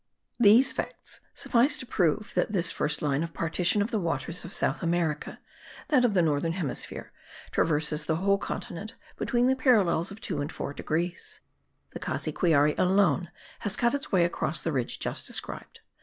These facts suffice to prove that this first line of partition of the waters of South America (that of the northern hemisphere) traverses the whole continent between the parallels of 2 and 4 degrees. The Cassiquiare alone has cut its way across the ridge just described.